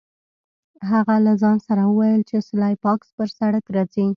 هغه له ځان سره وویل چې سلای فاکس پر سړک راځي